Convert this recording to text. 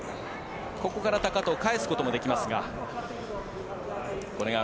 ここから高藤返すこともできますが。